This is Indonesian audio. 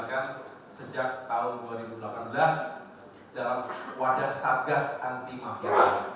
dan ini juga merupakan kelanjutan sinergi dan kolaborasi yang sebetulnya juga telah ditemukan